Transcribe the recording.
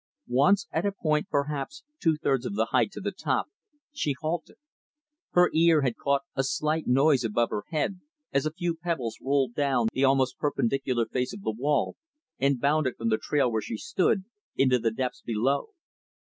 Once, at a point perhaps two thirds of the height to the top, she halted. Her ear had caught a slight noise above her head, as a few pebbles rolled down the almost perpendicular face of the wall and bounded from the trail where she stood, into the depths below.